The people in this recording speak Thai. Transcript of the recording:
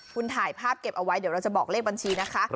คุณถ่ายภาพเก็บเอาไว้เดี๋ยวเราจะบอกเลขบัญชีนะคะ